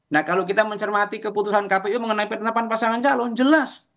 nah kalau kita mencermati keputusan kpu mengenai penetapan pasangan calon jelas